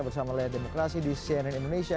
bersama layar demokrasi di cnn indonesia